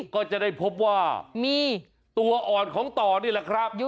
ก็จะได้พบว่ามีตัวอ่อนของต่อนี่แหละครับ